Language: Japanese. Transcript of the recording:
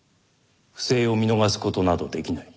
不正を見逃す事など出来ない。